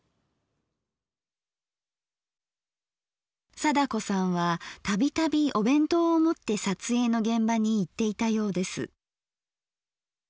貞子さんは度々お弁当を持って撮影の現場に行っていたようです。